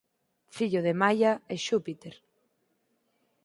Fillo de Maia e Xúpiter.